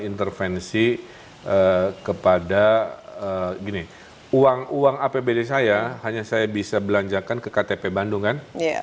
intervensi kepada gini uang uang apbd saya hanya saya bisa belanjakan ke ktp bandung kan